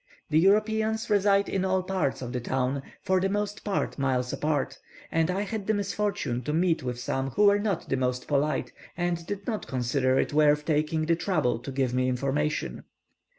The Europeans reside in all parts of the town, for the most part miles apart, and I had the misfortune to meet with some who were not the most polite, and did not consider it worth taking the trouble to give me information.